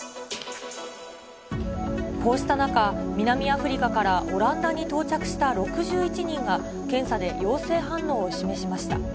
こうした中、南アフリカからオランダに到着した６１人が、検査で陽性反応を示しました。